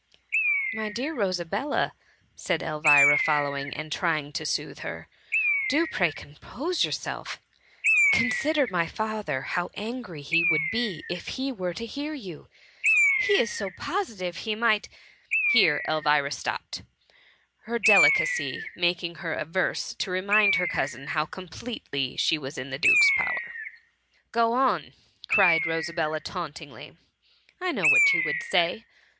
" My dear Rosabella,'' said Elvira following, and trying to soothe her, " do pray compose yourself. Consider my father — how angry he would be if he were to hear you ! He is so positive he might —"^ Here Elvira stopped, her delicacy making her averse to remind her cousin how completely she was in the duke^s power. THE MUMHT. 97 '" Go on/' cried Rosabella, tauntingly ;" I know what you would say.